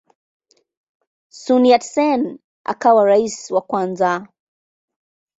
Sun Yat-sen akawa rais wa kwanza.